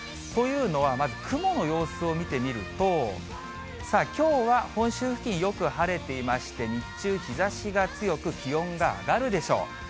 というのは、まず雲の様子を見てみると、さあ、きょうは本州付近、よく晴れていまして、日中、日ざしが強く、気温が上がるでしょう。